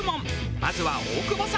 まずは大久保さん。